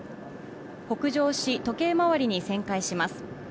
北上し、時計回りに旋回します。